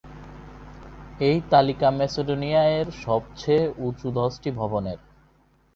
এই তালিকা ম্যাসেডোনিয়া এর সবচেয়ে উচুঁ দশটি ভবনের।